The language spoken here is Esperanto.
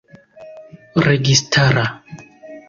registara